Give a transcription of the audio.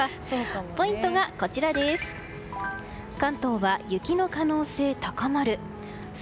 ポイントがこちらです。